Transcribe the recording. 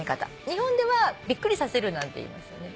日本では「びっくりさせる」なんて言いますよね。